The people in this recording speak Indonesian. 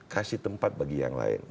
kasih tempat bagi yang lain